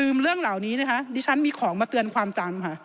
เรื่องเหล่านี้นะคะดิฉันมีของมาเตือนความจำค่ะ